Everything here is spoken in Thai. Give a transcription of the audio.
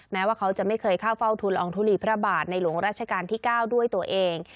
แม้ว่าเขาจะไม่เคยเข้าเฝ้าทุนละอองทุลีพระบาทในหลวงราชการที่๙ด้วยตัวเอง